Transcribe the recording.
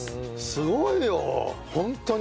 すごいよホントに。